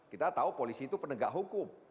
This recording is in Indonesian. kita tahu polisi itu penegak hukum